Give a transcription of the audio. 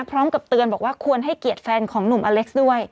พร้อมกับเตือนบอกว่าควรให้เกียรติแฟนของหนุ่มอเล็กซ์ด้วย